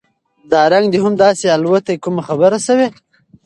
دا رنګ د هم داسې الوتى کومه خبره شوې؟